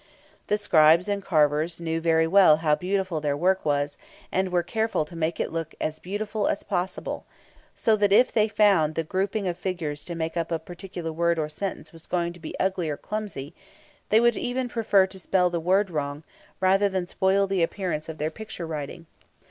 The scribes and carvers knew very well how beautiful their work was, and were careful to make it look as beautiful as possible; so much so, that if they found that the grouping of figures to make up a particular word or sentence was going to be ugly or clumsy, they would even prefer to spell the word wrong, rather than spoil the appearance of their picture writing.